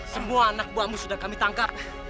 semua anak buahmu sudah kami tangkap